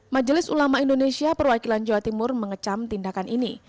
majelis ulama indonesia perwakilan jawa timur mengecam tindakan ini